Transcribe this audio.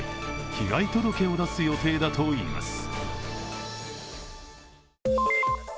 被害届を出す予定だといいます。